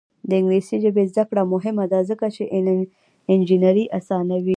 د انګلیسي ژبې زده کړه مهمه ده ځکه چې انجینري اسانوي.